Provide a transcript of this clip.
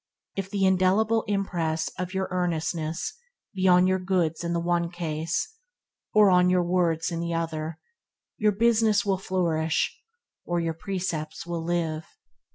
If the indelible impress of your earnestness be on your goods in the one case, or on your words in the other, your business will flourish, or your precepts will live.